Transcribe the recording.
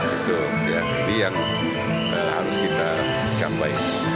itu ini yang harus kita capai